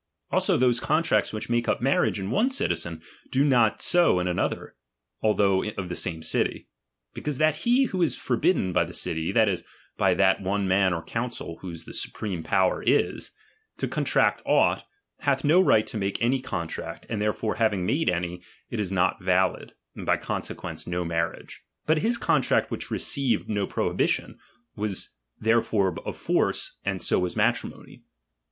Also those con tracts which make up marriage in one citizen, do not so in another, although of the same city ; be cause that he who is forbidden by the city, that is, by that one man or council whose the supreme power is, to contract aught, hath no right to make any contract, and therefore having made any, it is not valid, and by consequence no marriage. ]3ut his contract which received no prohibition, was therefore of force, and so was matrimony.